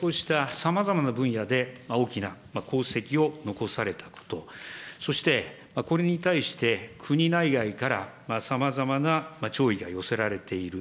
こうしたさまざまな分野で、大きな功績を残されたこと、そしてこれに対して、国内外からさまざまな弔意が寄せられている。